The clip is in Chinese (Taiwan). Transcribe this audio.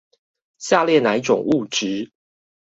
下列哪一種物質